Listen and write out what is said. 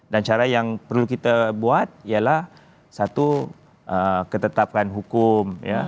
dan cara yang perlu kita buat ialah satu ketetapan hukum ya